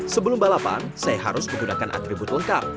sebelum balapan saya harus menggunakan atribut lengkap